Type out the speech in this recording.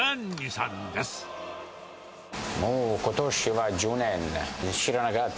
もうことしは１０年ね。